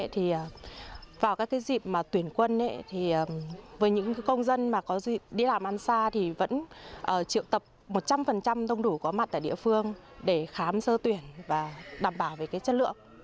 dịp mà tuyển quân với những công dân đi làm ăn xa thì vẫn triệu tập một trăm linh đông đủ có mặt tại địa phương để khám sơ tuyển và đảm bảo về chất lượng